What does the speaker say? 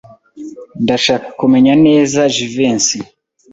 Ndashaka kumenya neza Jivency.